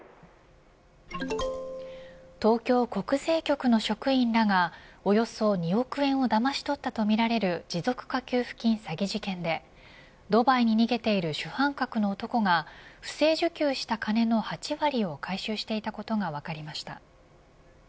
東京国税局の職員らがおよそ２億円をだまし取ったとみられる持続化給付金詐欺事件でドバイに逃げている主犯格の男が不正受給した金の８割を回収していたことが分かりました。